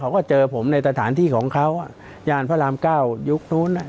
เขาก็เจอผมในสถานที่ของเขาย่านพระรามเก้ายุคนู้น